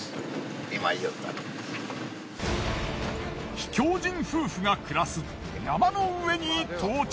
秘境人夫婦が暮らす山の上に到着。